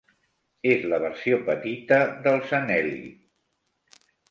És la versió petita dels anelli.